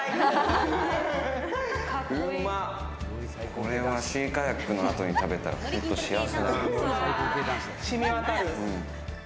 これはシーカヤックの後に食べたら幸せだよ。